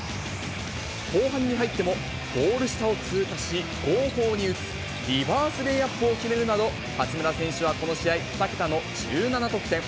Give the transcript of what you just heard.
後半に入っても、ゴール下を通過し後方に打つ、リバースレイアップを決めるなど、八村選手はこの試合２桁の１７得点。